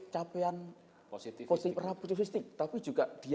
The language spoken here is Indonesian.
capaian positifistik tapi juga dia